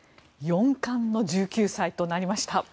四冠の１９歳となりました。